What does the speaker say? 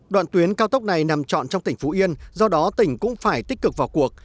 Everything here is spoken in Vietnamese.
đoạn tuyến cao tốc này nằm trọn trong tỉnh phú yên do đó tỉnh cũng phải tích cực vào cuộc